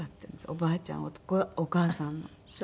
おばあちゃんとかお母さんのを。